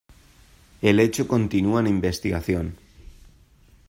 El hecho continúa en investigación.